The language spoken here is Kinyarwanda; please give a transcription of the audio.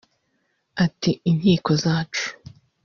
Ati “Inkiko zacu